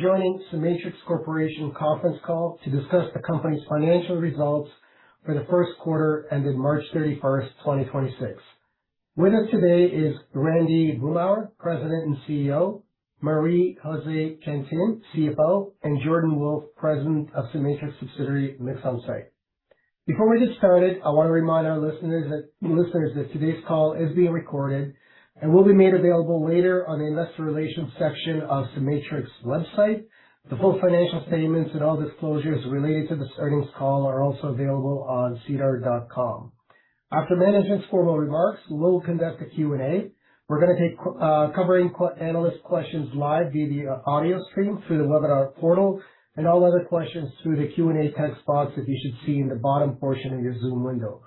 Joining CEMATRIX Corporation conference call to discuss the company's financial results for the first quarter ended March 31st, 2026. With us today is Randy Boomhour, President and CEO, Marie-Josée Cantin, CFO, and Jordan Wolfe, President of CEMATRIX subsidiary, MixOnSite. Before we get started, I wanna remind our listeners that today's call is being recorded and will be made available later on the Investor Relations section of CEMATRIX website. The full financial statements and all disclosures related to this earnings call are also available on sedar.com. After management's formal remarks, we'll conduct a Q&A. We're gonna take covering analyst questions live via the audio stream through the webinar portal and all other questions through the Q&A text box that you should see in the bottom portion of your Zoom window.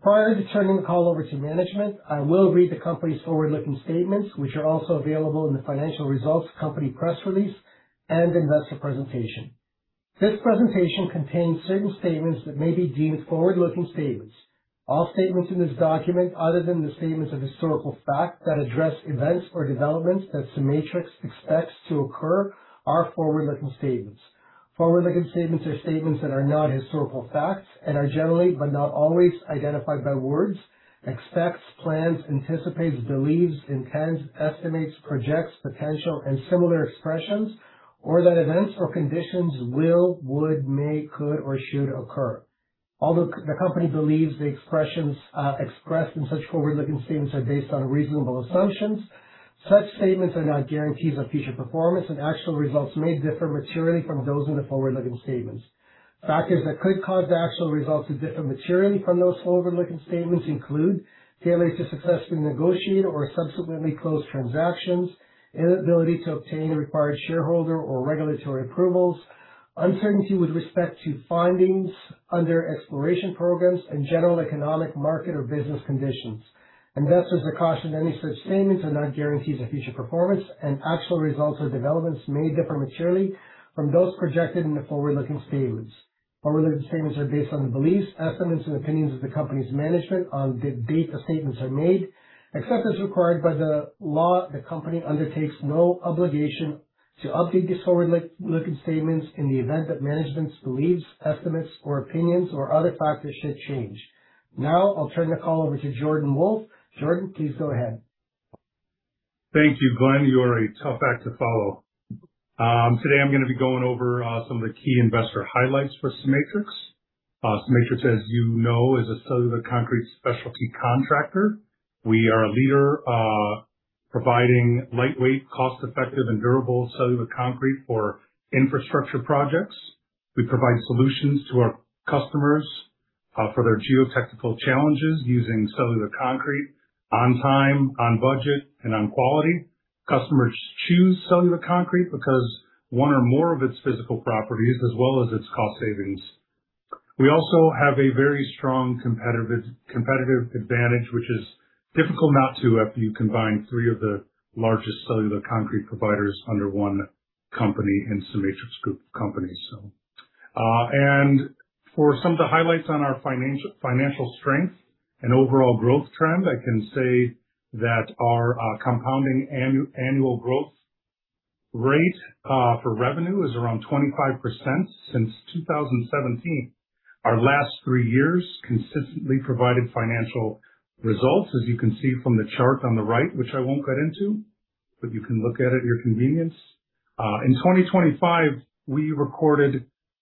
Prior to turning the call over to management, I will read the company's forward-looking statements, which are also available in the financial results, company press release, and investor presentation. This presentation contains certain statements that may be deemed forward-looking statements. All statements in this document, other than the statements of historical fact that address events or developments that CEMATRIX expects to occur, are forward-looking statements. Forward-looking statements are statements that are not historical facts and are generally, but not always, identified by words "expects," "plans," "anticipates," "believes," "intends," "estimates," "projects," "potential," and similar expressions, or that events or conditions will, would, may, could, or should occur. Although the company believes the expressions expressed in such forward-looking statements are based on reasonable assumptions, such statements are not guarantees of future performance, and actual results may differ materially from those in the forward-looking statements. Factors that could cause actual results to differ materially from those forward-looking statements include failure to successfully negotiate or subsequently close transactions, inability to obtain required shareholder or regulatory approvals, uncertainty with respect to findings under exploration programs and general economic market or business conditions. Investors are cautioned any such statements are not guarantees of future performance, and actual results or developments may differ materially from those projected in the forward-looking statements. Forward-looking statements are based on the beliefs, estimates, and opinions of the company's management on the date the statements are made. Except as required by the law, the company undertakes no obligation to update these forward-looking statements in the event that management's beliefs, estimates or opinions or other factors should change. Now, I'll turn the call over to Jordan Wolfe. Jordan, please go ahead. Thank you, Glen. You're a tough act to follow. Today, I'm gonna be going over some of the key investor highlights for CEMATRIX. CEMATRIX, as you know, is a cellular concrete specialty contractor. We are a leader, providing lightweight, cost-effective, and durable cellular concrete for infrastructure projects. We provide solutions to our customers for their geotechnical challenges using cellular concrete on time, on budget, and on quality. Customers choose cellular concrete because one or more of its physical properties, as well as its cost savings. We also have a very strong competitive advantage, which is difficult not to after you combine three of the largest cellular concrete providers under one company in CEMATRIX group of companies. For some of the highlights on our financial strength and overall growth trend, I can say that our compounding annual growth rate for revenue is around 25% since 2017. Our last 3 years consistently provided financial results, as you can see from the chart on the right, which I won't get into, but you can look at it at your convenience. In 2025, we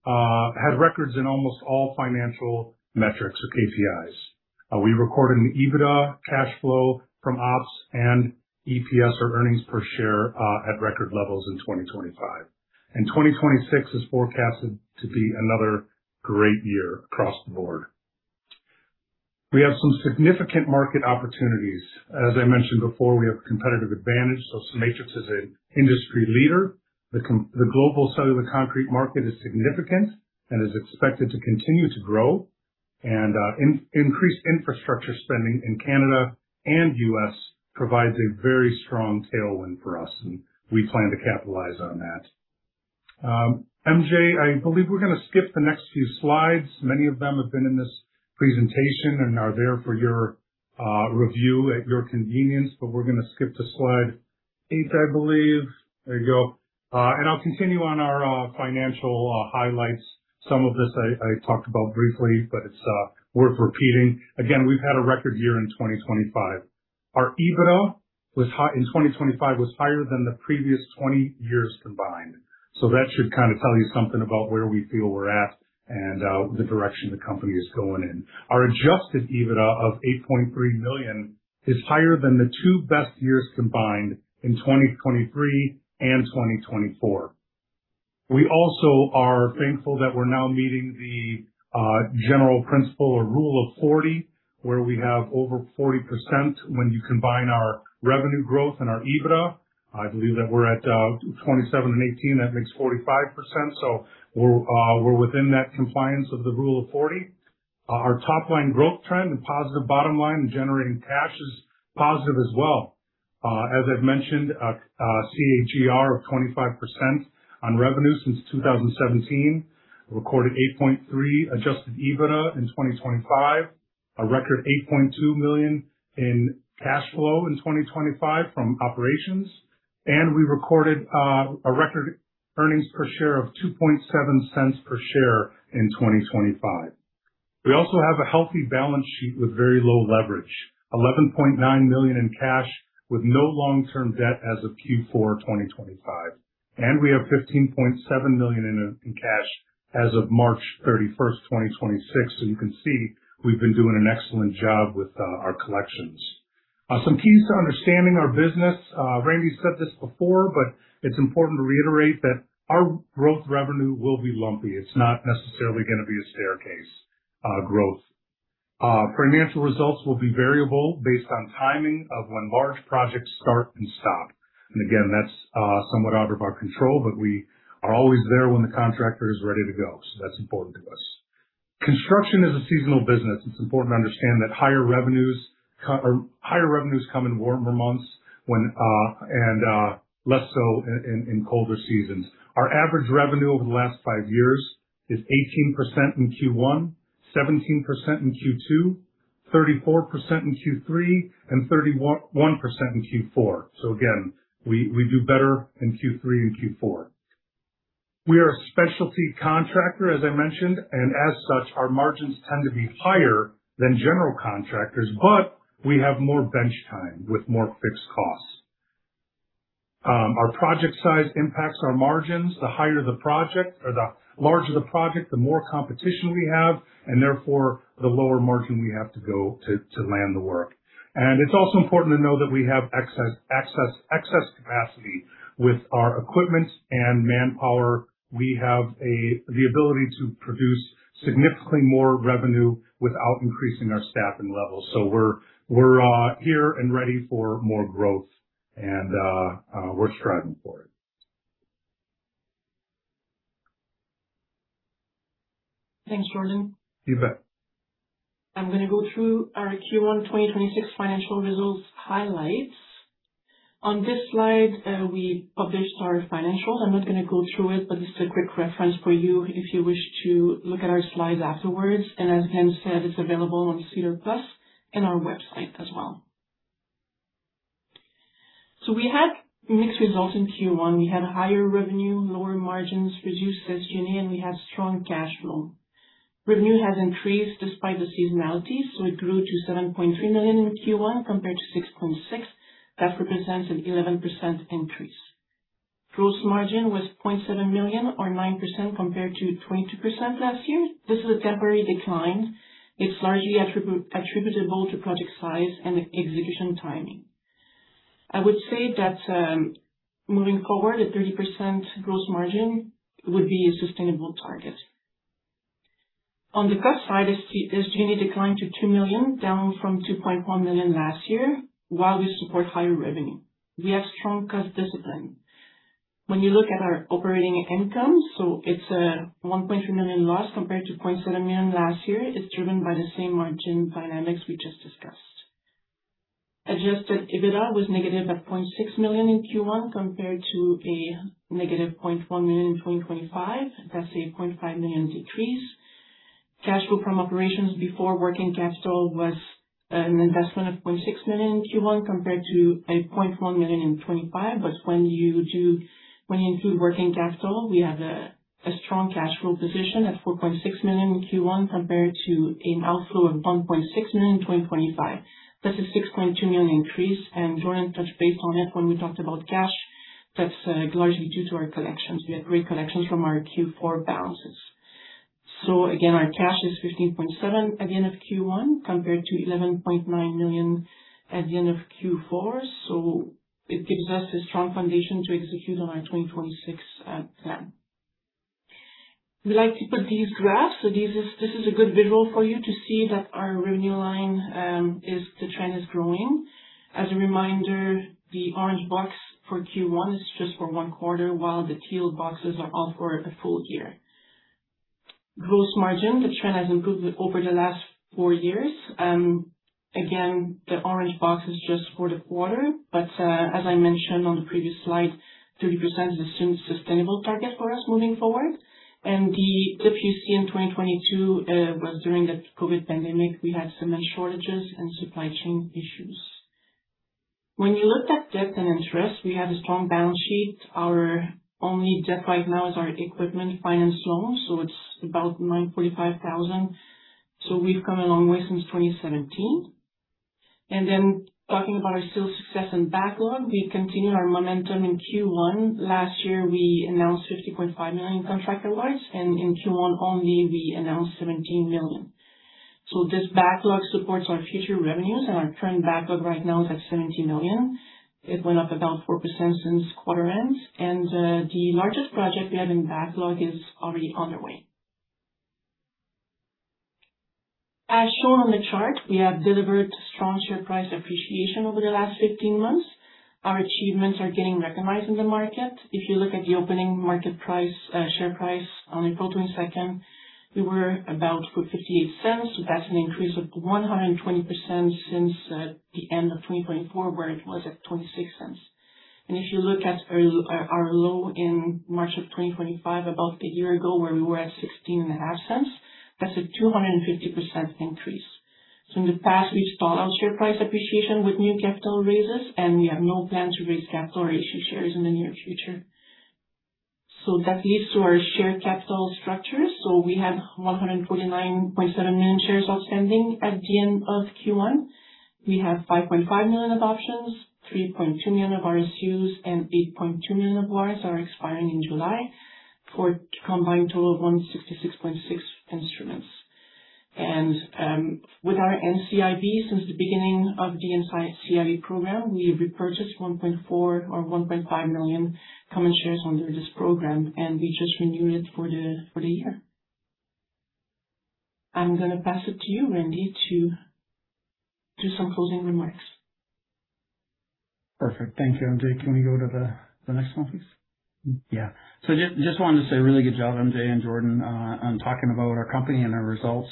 had records in almost all financial metrics or KPIs. We recorded an EBITDA cash flow from ops and EPS or earnings per share at record levels in 2025. 2026 is forecasted to be another great year across the board. We have some significant market opportunities. As I mentioned before, we have competitive advantage. CEMATRIX is an industry leader. The global cellular concrete market is significant and is expected to continue to grow. Increased infrastructure spending in Canada and US provides a very strong tailwind for us, and we plan to capitalize on that. MJ, I believe we're gonna skip the next few slides. Many of them have been in this presentation and are there for your review at your convenience, but we're gonna skip to slide eight, I believe. There you go. I'll continue on our financial highlights. Some of this I talked about briefly, but it's worth repeating. Again, we've had a record year in 2025. Our EBITDA in 2025 was higher than the previous 20 years combined. That should kinda tell you something about where we feel we're at and the direction the company is going in. Our adjusted EBITDA of 8.3 million is higher than the two best years combined in 2023 and 2024. We also are thankful that we're now meeting the general principle or Rule of 40, where we have over 40% when you combine our revenue growth and our EBITDA. I believe that we're at 27% and 18%, that makes 45%. We're within that compliance of the Rule of 40. Our top line growth trend and positive bottom line and generating cash is positive as well. As I've mentioned, a CAGR of 25% on revenue since 2017. Recorded 8.3 adjusted EBITDA in 2025. A record 8.2 million in cash flow in 2025 from operations. We recorded a record earnings per share of 0.027 per share in 2025. We also have a healthy balance sheet with very low leverage. 11.9 million in cash with no long-term debt as of Q4 2025. We have 15.7 million in cash as of March 31, 2026. You can see we've been doing an excellent job with our collections. Some keys to understanding our business. Randy said this before, but it's important to reiterate that our growth revenue will be lumpy. It's not necessarily gonna be a staircase growth. Financial results will be variable based on timing of when large projects start and stop. Again, that's somewhat out of our control, but we are always there when the contractor is ready to go. That's important to us. Construction is a seasonal business. It's important to understand that higher revenues come in warmer months when and less so in colder seasons. Our average revenue over the last five years is 18% in Q1, 17% in Q2, 34% in Q3, and 31% in Q4. Again, we do better in Q3 and Q4. We are a specialty contractor, as I mentioned, and as such, our margins tend to be higher than general contractors, but we have more bench time with more fixed costs. Our project size impacts our margins. The higher the project or the larger the project, the more competition we have, therefore the lower margin we have to go to land the work. It's also important to know that we have excess capacity with our equipment and manpower. We have the ability to produce significantly more revenue without increasing our staffing levels. We're here and ready for more growth and we're striving for it. Thanks, Jordan. You bet. I'm gonna go through our Q1 2026 financial results highlights. On this slide, we published our financials. I'm not gonna go through it, just a quick reference for you if you wish to look at our slides afterwards. As Glen said, it's available on SEDAR+ and our website as well. We had mixed results in Q1. We had higher revenue, lower margins, reduced SG&A, and we had strong cash flow. Revenue has increased despite the seasonality, so it grew to 7.3 million in Q1 compared to 6.6 million. That represents an 11% increase. Gross margin was 0.7 million or 9% compared to 22% last year. This is a temporary decline. It's largely attributable to project size and execution timing. I would say that, moving forward, a 30% gross margin would be a sustainable target. On the cost side, SG&A declined to 2 million, down from 2.1 million last year, while we support higher revenue. We have strong cost discipline. When you look at our operating income, it's a 1.3 million loss compared to 0.7 million last year. It's driven by the same margin dynamics we just discussed. Adjusted EBITDA was negative at 0.6 million in Q1 compared to a negative 0.1 million in 2025. That's a 0.5 million decrease. Cash flow from operations before working capital was an investment of 0.6 million in Q1 compared to 0.1 million in 2025. When you include working capital, we have a strong cash flow position at 4.6 million in Q1 compared to an outflow of 1.6 million in 2025. That's a 6.2 million increase, and Jordan touched base on it when we talked about cash. That's largely due to our collections. We had great collections from our Q4 balances. Again, our cash is 15.7 million at the end of Q1 compared to 11.9 million at the end of Q4. It gives us a strong foundation to execute on our 2026 plan. We like to put these graphs. This is a good visual for you to see that our revenue line, the trend is growing. As a reminder, the orange box for Q1 is just for one quarter, while the teal boxes are all for a full year. Gross margin, the trend has improved over the last 4 years. Again, the orange box is just for the quarter, but as I mentioned on the previous slide, 30% is a sustainable target for us moving forward. The dip you see in 2022 was during the COVID pandemic. We had cement shortages and supply chain issues. When you look at debt and interest, we have a strong balance sheet. Our only debt right now is our equipment finance loan, so it's about 945,000. We've come a long way since 2017. Talking about our sales success and backlog, we've continued our momentum in Q1. Last year, we announced 50.5 million contract awards, and in Q1 only we announced 17 million. This backlog supports our future revenues, and our current backlog right now is at 70 million. It went up about 4% since quarter end. The largest project we have in backlog is already underway. As shown on the chart, we have delivered strong share price appreciation over the last 15 months. Our achievements are getting recognized in the market. If you look at the opening market price, share price on April 22nd, we were about 0.58. That's an increase of 120% since the end of 2024, where it was at 0.26. If you look at our low in March of 2025, about a year ago, where we were at 0.165, that's a 250% increase. In the past, we've bought out share price appreciation with new capital raises, and we have no plan to raise capital or issue shares in the near future. That leads to our share capital structure. We have 149.7 million shares outstanding at the end of Q1. We have 5.5 million of options, 3.2 million of RSUs, and 8.2 million of warrants are expiring in July for a combined total of 166.6 instruments. With our NCIB, since the beginning of the NCIB program, we repurchased 1.4 or 1.5 million common shares under this program, and we just renewed it for the year. I'm gonna pass it to you, Randy, to do some closing remarks. Perfect. Thank you, MJ. Can we go to the next one, please? Yeah. Just wanted to say really good job, MJ and Jordan, on talking about our company and our results.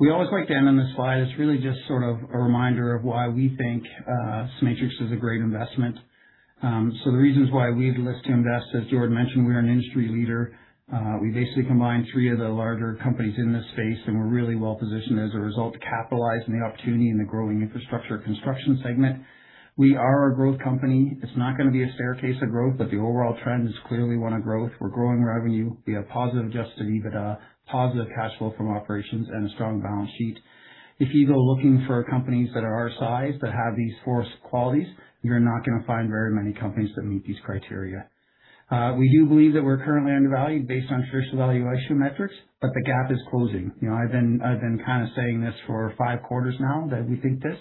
We always like to end on this slide. It's really just sort of a reminder of why we think CEMATRIX is a great investment. The reasons why we'd list to invest, as Jordan mentioned, we are an industry leader. We basically combine three of the larger companies in this space, and we're really well positioned as a result to capitalize on the opportunity in the growing infrastructure construction segment. We are a growth company. It's not gonna be a staircase of growth, but the overall trend is clearly one of growth. We're growing revenue. We have positive adjusted EBITDA, positive cash flow from operations and a strong balance sheet. If you go looking for companies that are our size that have these four qualities, you're not gonna find very many companies that meet these criteria. We do believe that we're currently undervalued based on traditional valuation metrics, the gap is closing. You know, I've been kind of saying this for five quarters now that we think this.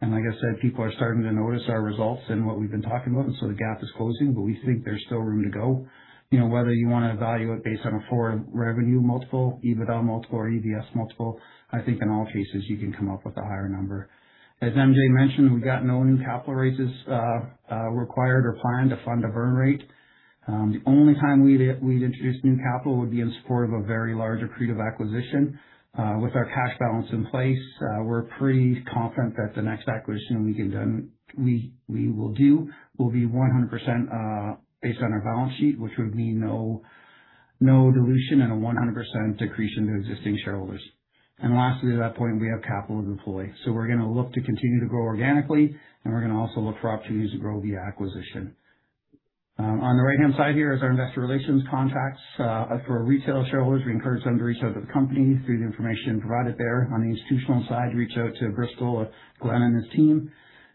Like I said, people are starting to notice our results and what we've been talking about, the gap is closing. We think there's still room to go. You know, whether you wanna evaluate based on a forward revenue multiple, EBITDA multiple or EV/S multiple, I think in all cases, you can come up with a higher number. As MJ mentioned, we've got no new capital raises required or planned to fund a burn rate. The only time we'd introduce new capital would be in support of a very large accretive acquisition. With our cash balance in place, we're pretty confident that the next acquisition we will do will be 100% based on our balance sheet, which would mean no dilution and a 100% accretion to existing shareholders. Lastly, at that point, we have capital to deploy. We're going to look to continue to grow organically, and we're going to also look for opportunities to grow via acquisition. On the right-hand side here is our investor relations contacts. For retail shareholders, we encourage them to reach out to the company through the information provided there. On the institutional side, reach out to Bristol Capital or Glen and his team.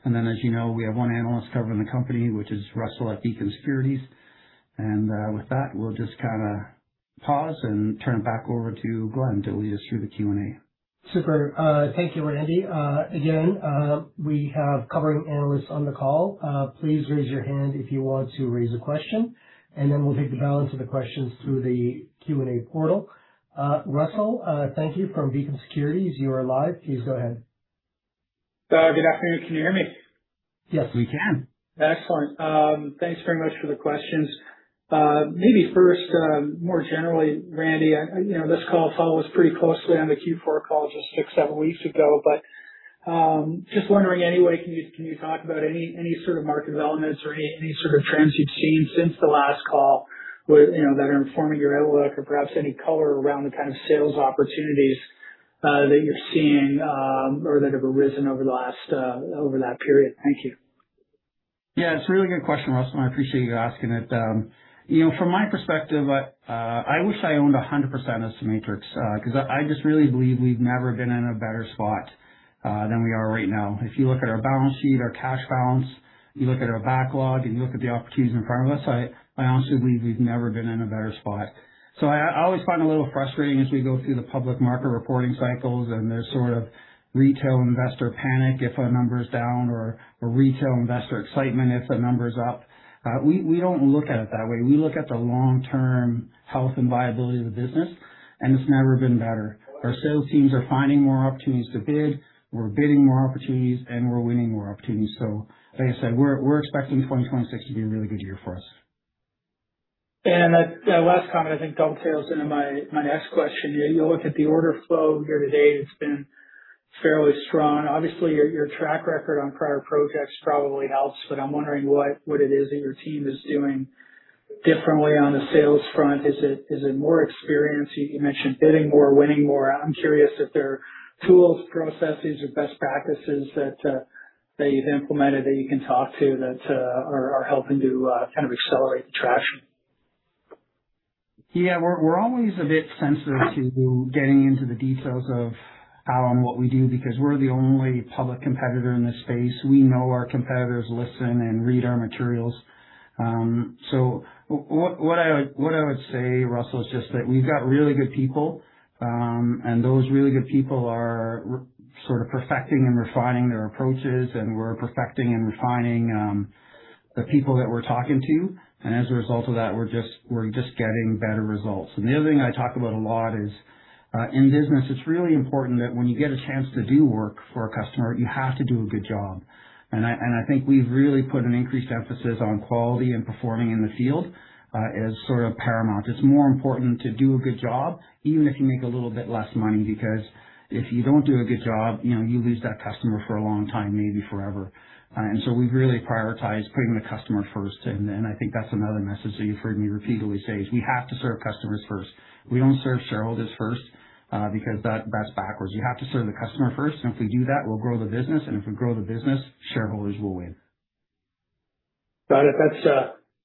As you know, we have one analyst covering the company, which is Russell at Beacon Securities. With that, we'll just kinda pause and turn it back over to Glen to lead us through the Q&A. Super. Thank you, Randy. Again, we have covering analysts on the call. Please raise your hand if you want to raise a question, and then we'll take the balance of the questions through the Q&A portal. Russell, thank you from Beacon Securities. You are live. Please go ahead. Good afternoon. Can you hear me? Yes, we can. Excellent. Thanks very much for the questions. Maybe first, more generally, Randy, you know, this call follows pretty closely on the Q4 call just six, seven weeks ago. Just wondering anyway, can you talk about any sort of market developments or any sort of trends you've seen since the last call with, you know, that are informing your outlook or perhaps any color around the kind of sales opportunities that you're seeing or that have arisen over the last over that period? Thank you. Yeah, it's a really good question, Russell. I appreciate you asking it. You know, from my perspective, I wish I owned 100% of CEMATRIX, 'cause I just really believe we've never been in a better spot than we are right now. If you look at our balance sheet, our cash balance, you look at our backlog, and you look at the opportunities in front of us, I honestly believe we've never been in a better spot. I always find it a little frustrating as we go through the public market reporting cycles, and there's sort of retail investor panic if a number is down or retail investor excitement if a number is up. We, we don't look at it that way. We look at the long-term health and viability of the business, and it's never been better. Our sales teams are finding more opportunities to bid. We're bidding more opportunities, we're winning more opportunities. Like I said, we're expecting 2026 to be a really good year for us. That last comment, I think, dovetails into my next question. You look at the order flow year to date, it's been fairly strong. Obviously, your track record on prior projects probably helps, but I'm wondering what it is that your team is doing differently on the sales front. Is it more experience? You mentioned bidding more, winning more. I'm curious if there are tools, processes or best practices that you've implemented that you can talk to that are helping to kind of accelerate the traction. Yeah. We're always a bit sensitive to getting into the details of how and what we do because we're the only public competitor in this space. We know our competitors listen and read our materials. What I would say, Russell, is just that we've got really good people. Those really good people are sort of perfecting and refining their approaches, and we're perfecting and refining the people that we're talking to. As a result of that, we're just getting better results. The other thing I talk about a lot is. In business, it's really important that when you get a chance to do work for a customer, you have to do a good job. I think we've really put an increased emphasis on quality and performing in the field, as sort of paramount. It's more important to do a good job, even if you make a little bit less money, because if you don't do a good job, you know, you lose that customer for a long time, maybe forever. We've really prioritized putting the customer first. I think that's another message that you've heard me repeatedly say is we have to serve customers first. We don't serve shareholders first, because that's backwards. You have to serve the customer first, and if we do that, we'll grow the business. If we grow the business, shareholders will win. Got it.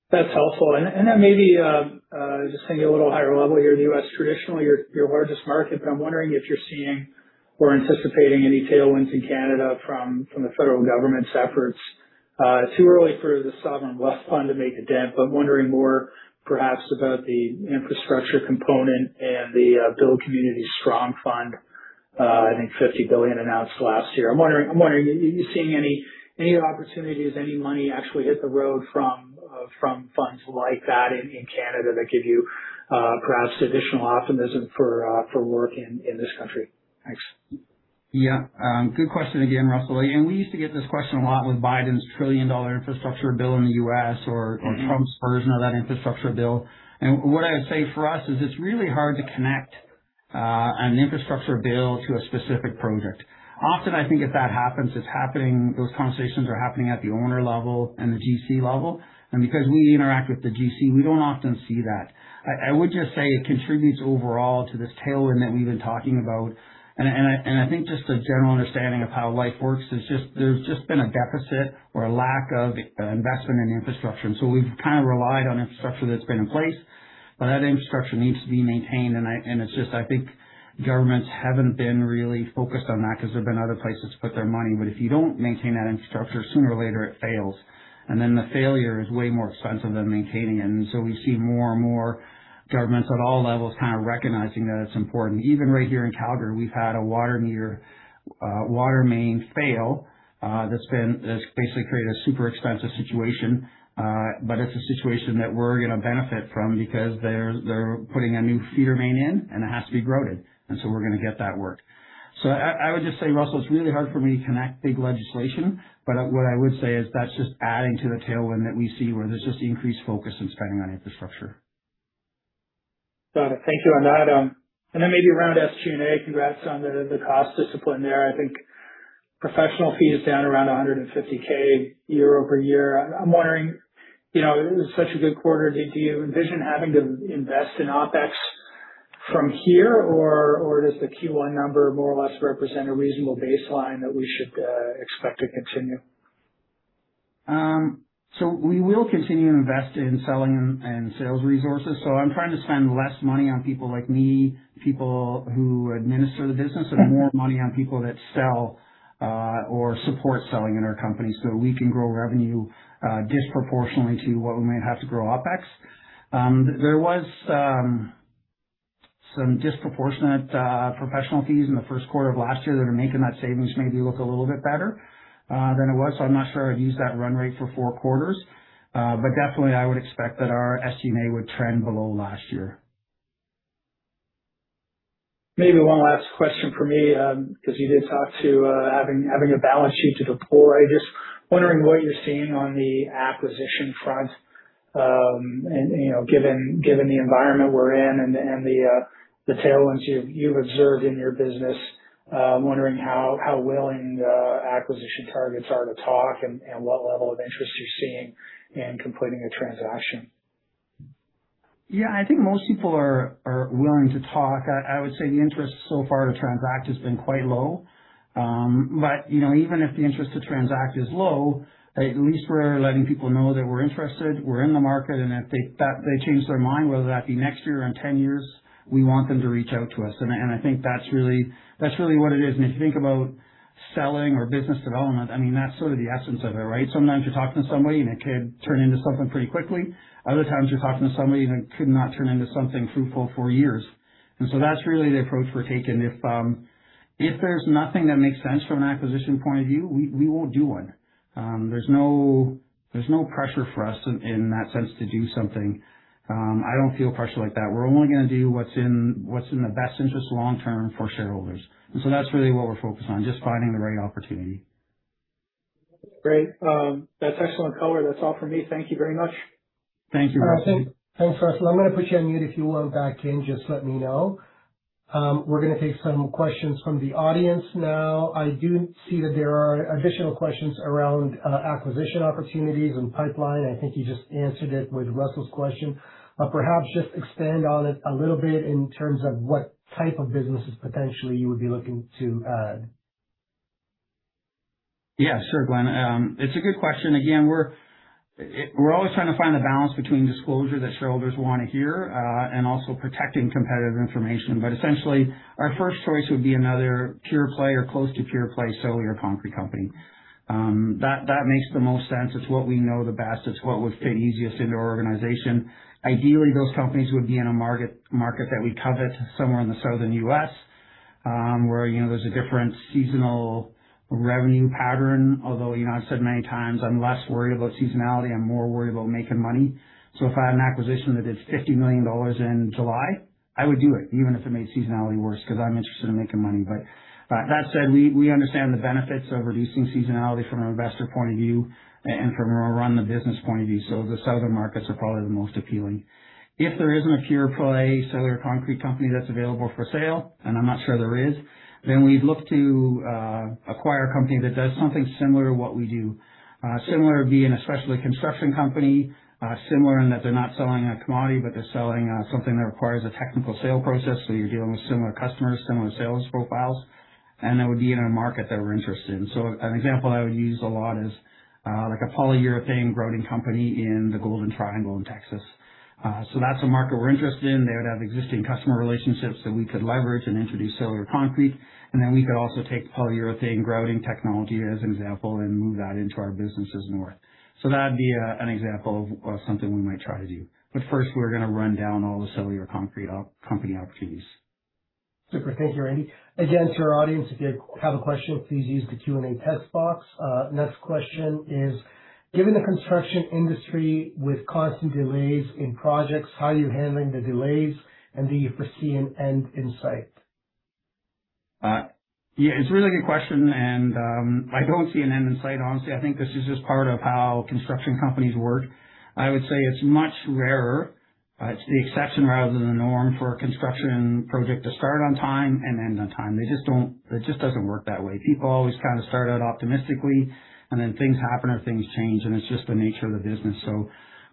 That's helpful. Then maybe just thinking a little higher level here, the U.S. traditionally your largest market, I'm wondering if you're seeing or anticipating any tailwinds in Canada from the federal government's efforts. Too early for the Canada Strong Fund to make a dent, wondering more perhaps about the infrastructure component and the Build Communities Strong Fund, I think 50 billion announced last year. I'm wondering, are you seeing any opportunities, any money actually hit the road from funds like that in Canada that give you perhaps additional optimism for work in this country? Thanks. Yeah. Good question again, Russell. We used to get this question a lot with Biden's trillion-dollar infrastructure bill in the U.S. Mm-hmm. -or Trump's version of that infrastructure bill. What I would say for us is it's really hard to connect an infrastructure bill to a specific project. Often, I think if that happens, it's happening those conversations are happening at the owner level and the GC level. Because we interact with the GC, we don't often see that. I would just say it contributes overall to this tailwind that we've been talking about. I think just a general understanding of how life works is there's just been a deficit or a lack of investment in infrastructure. We've kind of relied on infrastructure that's been in place, but that infrastructure needs to be maintained. It's just, I think governments haven't been really focused on that because there's been other places to put their money. If you don't maintain that infrastructure, sooner or later it fails. The failure is way more expensive than maintaining it. We see more and more governments at all levels kind of recognizing that it's important. Even right here in Calgary, we've had a water meter, water main fail, that's basically created a super expensive situation. It's a situation that we're gonna benefit from because they're putting a new feeder main in, and it has to be grouted. We're gonna get that work. I would just say, Russell, it's really hard for me to connect big legislation, but what I would say is that's just adding to the tailwind that we see where there's just increased focus on spending on infrastructure. Got it. Thank you on that. Then maybe around SG&A, congrats on the cost discipline there. I think professional fee is down around 150,000 year-over-year. I'm wondering, you know, it was such a good quarter. Do you envision having to invest in OpEx from here, or does the Q1 number more or less represent a reasonable baseline that we should expect to continue? We will continue to invest in selling and sales resources. I'm trying to spend less money on people like me, people who administer the business and more money on people that sell or support selling in our company so we can grow revenue disproportionately to what we might have to grow OpEx. There was some disproportionate professional fees in the first quarter of last year that are making that savings maybe look a little bit better than it was. I'm not sure I'd use that run rate for four quarters. Definitely I would expect that our SG&A would trend below last year. Maybe one last question from me, because you did talk to having a balance sheet to deploy. Just wondering what you're seeing on the acquisition front. You know, given the environment we're in and the tailwinds you've observed in your business, wondering how willing the acquisition targets are to talk and what level of interest you're seeing in completing a transaction. Yeah. I think most people are willing to talk. I would say the interest so far to transact has been quite low. You know, even if the interest to transact is low, at least we're letting people know that we're interested, we're in the market, and if they change their mind, whether that be next year or in 10 years, we want them to reach out to us. I think that's really what it is. If you think about selling or business development, I mean, that's sort of the essence of it, right? Sometimes you're talking to somebody, and it could turn into something pretty quickly. Other times, you're talking to somebody, and it could not turn into something fruitful for years. That's really the approach we're taking. If there's nothing that makes sense from an acquisition point of view, we won't do one. There's no pressure for us in that sense to do something. I don't feel pressure like that. We're only gonna do what's in the best interest long term for shareholders. That's really what we're focused on, just finding the right opportunity. Great. That's excellent color. That's all for me. Thank you very much. Thank you, Russell. Thanks, Russell. I'm gonna put you on mute. If you want back in, just let me know. We're gonna take some questions from the audience now. I do see that there are additional questions around acquisition opportunities and pipeline. I think you just answered it with Russell's question. Perhaps just expand on it a little bit in terms of what type of businesses potentially you would be looking to add. Yeah, sure, Glen. It's a good question. Again, we're always trying to find the balance between disclosure that shareholders wanna hear and also protecting competitive information. Essentially, our first choice would be another pure play or close to pure play cellular concrete company. That makes the most sense. It's what we know the best. It's what would fit easiest into our organization. Ideally, those companies would be in a market that we covet somewhere in the Southern U.S. Where, you know, there's a different seasonal revenue pattern. Although, you know, I've said many times I'm less worried about seasonality, I'm more worried about making money. If I had an acquisition that is 50 million dollars in July, I would do it even if it made seasonality worse, 'cause I'm interested in making money. That said, we understand the benefits of reducing seasonality from an investor point of view and from a run the business point of view. The southern markets are probably the most appealing. If there isn't a pure play cellular concrete company that's available for sale, and I'm not sure there is, then we'd look to acquire a company that does something similar to what we do. Similar being a specialty construction company, similar in that they're not selling a commodity, but they're selling something that requires a technical sale process. You're dealing with similar customers, similar sales profiles, and that would be in a market that we're interested in. An example I would use a lot is like a polyurethane grouting company in the Golden Triangle in Texas. That's a market we're interested in. They would have existing customer relationships that we could leverage and introduce cellular concrete. We could also take the polyurethane grouting technology as an example and move that into our businesses north. That'd be an example of something we might try to do. First, we're going to run down all the cellular concrete company opportunities. Super. Thank you, Randy. Again, to our audience, if you have a question, please use the Q&A text box. Next question is, given the construction industry with constant delays in projects, how are you handling the delays, and do you foresee an end in sight? Yeah, it's a really good question, and I don't see an end in sight, honestly. I think this is just part of how construction companies work. I would say it's much rarer. It's the exception rather than the norm for a construction project to start on time and end on time. They just don't. It just doesn't work that way. People always kind of start out optimistically, and then things happen or things change, and it's just the nature of the business.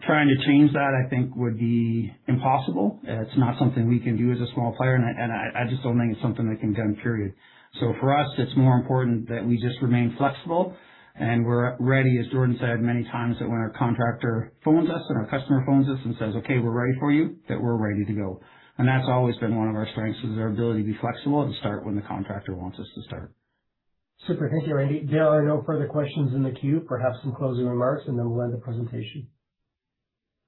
Trying to change that, I think, would be impossible. It's not something we can do as a small player. I just don't think it's something that can be done, period. For us, it's more important that we just remain flexible, and we're ready, as Jordan said many times, that when our contractor phones us and our customer phones us and says, "Okay, we're ready for you," that we're ready to go. That's always been one of our strengths, is our ability to be flexible and start when the contractor wants us to start. Super. Thank you, Randy. There are no further questions in the queue. Perhaps some closing remarks and then we'll end the presentation.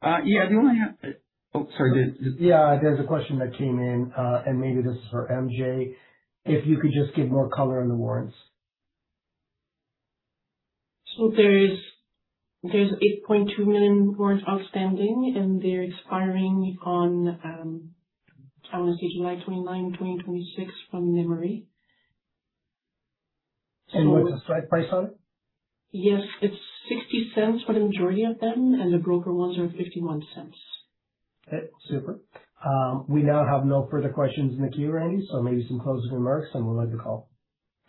Oh, sorry. Yeah, there's a question that came in, and maybe this is for MJ, if you could just give more color on the warrants. There's 8.2 million warrants outstanding, and they're expiring on, I wanna say July 29, 2026 from memory. What's the strike price on it? Yes, it's 0.60 for the majority of them, and the broker ones are 0.51. Okay, super. We now have no further questions in the queue, Randy, so maybe some closing remarks and we'll end the call.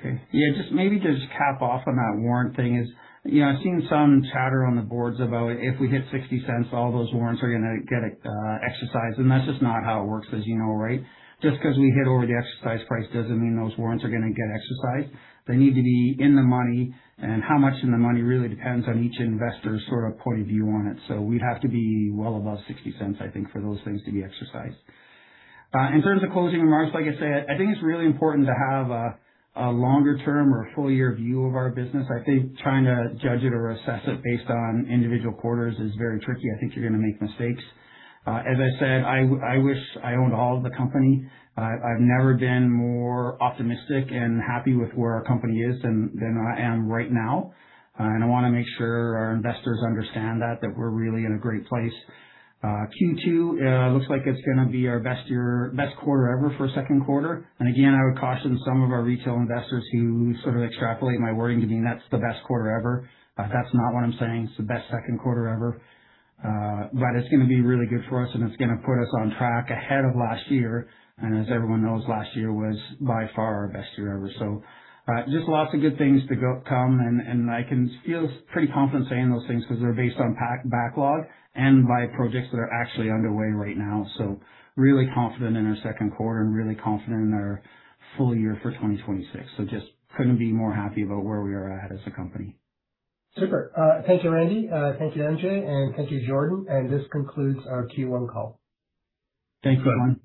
Okay. Yeah, just maybe just cap off on that warrant thing is, you know, I've seen some chatter on the boards about if we hit 0.60, all those warrants are gonna get exercised, and that's just not how it works, as you know, right? Just because we hit over the exercise price doesn't mean those warrants are gonna get exercised. They need to be in the money, how much in the money really depends on each investor's sort of point of view on it. We'd have to be well above 0.60, I think, for those things to be exercised. In terms of closing remarks, like I said, I think it's really important to have a longer term or a full year view of our business. I think trying to judge it or assess it based on individual quarters is very tricky. I think you're gonna make mistakes. As I said, I wish I owned all of the company. I've never been more optimistic and happy with where our company is than I am right now. I wanna make sure our investors understand that we're really in a great place. Q2 looks like it's gonna be our best quarter ever for a 2nd quarter. Again, I would caution some of our retail investors who sort of extrapolate my wording to mean that's the best quarter ever. That's not what I'm saying. It's the best 2nd quarter ever. It's gonna be really good for us, and it's gonna put us on track ahead of last year. As everyone knows, last year was by far our best year ever. Just lots of good things to come and I can feel pretty confident saying those things 'cause they're based on backlog and by projects that are actually underway right now. Really confident in our second quarter and really confident in our full year for 2026. Just couldn't be more happy about where we are at as a company. Super. Thank you, Randy. Thank you, MJ, and thank you, Jordan. This concludes our Q1 call. Thanks, everyone.